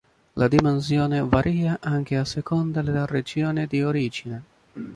La dimensione varia anche a seconda della regione di origine.